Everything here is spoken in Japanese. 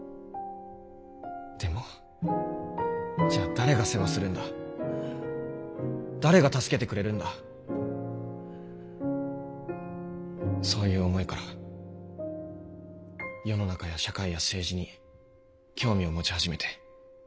でもじゃあ誰が世話するんだ誰が助けてくれるんだそういう思いから世の中や社会や政治に興味を持ち始めて。